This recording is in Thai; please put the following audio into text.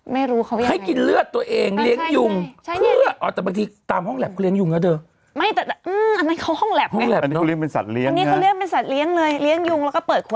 ไม่รู้ว่าเขาเลี้ยงยังไง